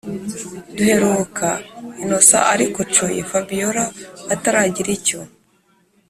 duheruka innocent arikocoye fabiora ataragira icyo